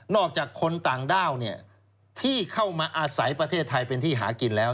อกจากคนต่างด้าวที่เข้ามาอาศัยประเทศไทยเป็นที่หากินแล้ว